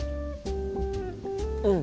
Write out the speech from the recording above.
うん！